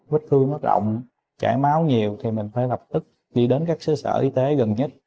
vết thương rất rộng chảy máu nhiều thì mình phải lập tức đi đến các xứ sở y tế gần nhất